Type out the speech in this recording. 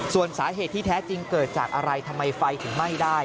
ส่วนสาเหตุที่แท้จริงเกิดจากอะไรทำไมไฟถึงไหม้ได้